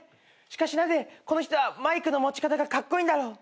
しかしなぜこの人はマイクの持ち方がカッコイイんだろう？